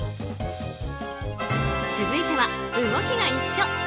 続いては、動きが一緒。